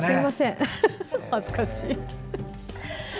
恥ずかしい。